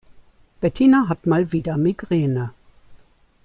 Bettina hat mal wieder Migräne.